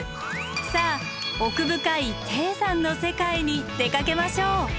さあ奥深い低山の世界に出かけましょう。